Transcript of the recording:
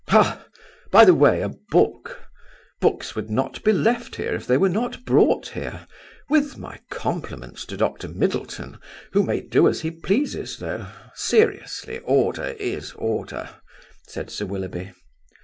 "Ha! by the way, a book; books would not be left here if they were not brought here, with my compliments to Doctor Middleton, who may do as he pleases, though, seriously, order is order," said Sir Willoughby.